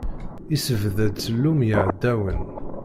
Issebdad ssellum i yeɛdawen.